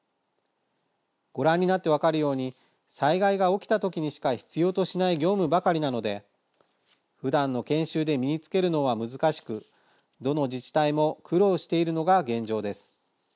ご覧になって分かるように災害が起きた時にしか必要としない業務ばかりなのでふだんの研修で身につけるのは難しくどの自治体も苦労しているのが現状です。